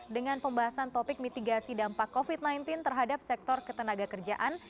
dengan pembahasan topik mitigasi dampak covid sembilan belas terhadap sektor ketenaga kerjaan